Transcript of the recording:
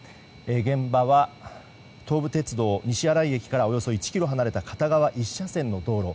現場は、東武鉄道西新井駅からおよそ１ｋｍ離れた片側１車線の道路。